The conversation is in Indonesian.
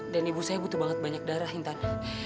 dan ibu saya butuh banget banyak darah intan